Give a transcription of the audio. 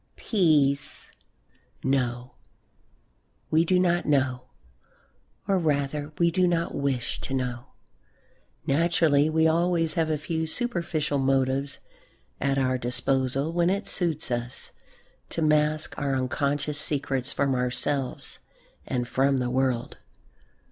peace! No, we do not know! Or rather, we do not wish to know. Naturally, we always have a few superficial motives at our disposal when it suits us to mask our unconscious secrets from ourselves and from the world.